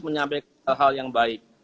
menyampaikan hal yang baik